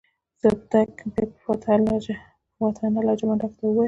صدک بيا په فاتحانه لهجه منډک ته وويل.